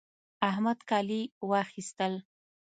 احمد کالي واخيستل